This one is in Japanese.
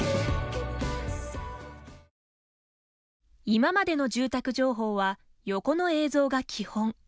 今までの住宅情報は横の映像が基本。